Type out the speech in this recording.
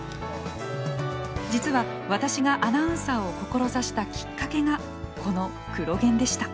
実は私がアナウンサーを志したきっかけがこの「クロ現」でした。